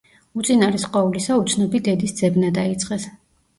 უწინარეს ყოვლისა, უცნობი დედის ძებნა დაიწყეს.